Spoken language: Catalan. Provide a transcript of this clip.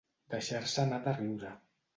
Deixar-se anar de riure.